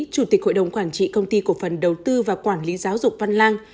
chủ tịch hội đồng quản trị công ty cổ phần đầu tư và quản lý giáo dục văn lang